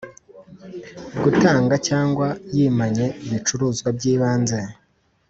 gutanga cyangwa yimanye ibicuruzwa by’ibanze.